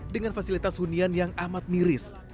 dengan fasilitas hunian yang amat miris